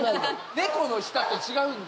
猫の舌と違うんで。